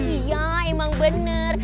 iya emang bener